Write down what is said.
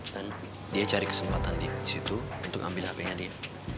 dan dia cari kesempatan di situ untuk ambil hp nya dia